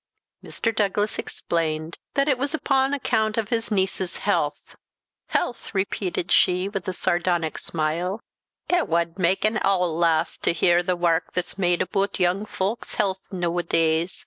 Mr. Douglas explained that it was upon account of his niece's health. "Health!" repeated she, with a sardonic smile; "it wad mak' an ool laugh to hear the wark that's made aboot young fowk's health noo a days.